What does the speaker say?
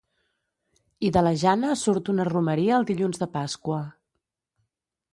I de la Jana surt una romeria el dilluns de Pasqua.